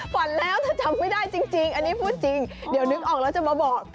ฝันแล้วแต่จำไม่ได้จริงอันนี้พูดจริงเดี๋ยวนึกออกแล้วจะมาบอก